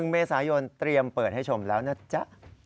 ๑เมษายนเตรียมเปิดให้ชมแล้วนะจ๊ะ